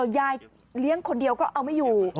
ยายเลี้ยงคนเดียวก็เอาไม่อยู่